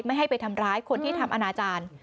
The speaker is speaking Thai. ไม่ให้ไปทำร้ายคนที่ทำอนาจารย์